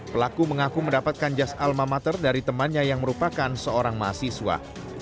pelaku mengaku mendapatkan jas alma mater dari temannya yang merupakan seorang mahasiswa